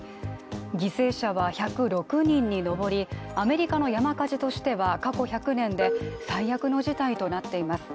犠牲者は１０６人に上り、アメリカの山火事としては過去１００年で最悪の事態となっています。